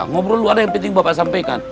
ngobrol lu ada yang penting bapak sampaikan